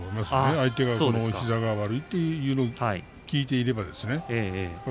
相手が膝が悪いということを聞いていればですね。